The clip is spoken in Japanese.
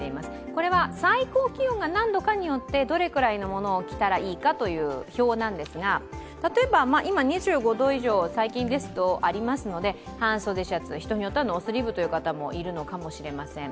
これは最高気温が何度かによって、どれくらいのものを着たらいいかという表なんですが例えば今、２５度以上、最近ですとありますので、半袖シャツ、人によってはノースリーブという方もいらっしゃるかもしれません。